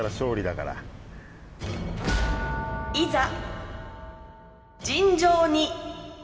いざ。